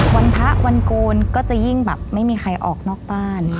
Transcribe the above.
วันพระวันโกนก็จะยิ่งแบบไม่มีใครออกนอกบ้าน